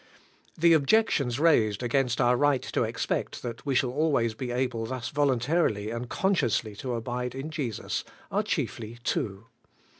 The objections raised against our right to expect that we shall always be able thus voluntarily and con sciously to abide in Jesus are chiefly two.